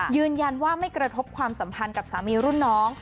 ยืนยันว่าไม่กระทบความสัมพันธ์กับสามีรุ่นน้อง